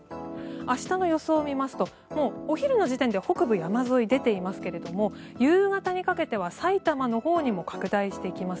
明日の予想を見ますとお昼の時点では北部山沿い出ていますが夕方にかけては埼玉のほうにも拡大していきます。